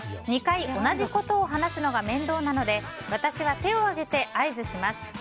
２回、同じことを話すのが面倒なので私は手を挙げて合図します。